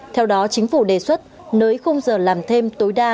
theo đó chính phủ đề xuất nới khung giờ làm thêm tối đa